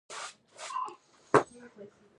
د عاملې قوې د تاثیر نقطه راښيي.